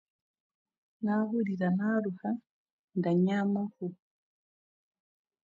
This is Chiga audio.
Naahurira naaruha, ndanyaamaho.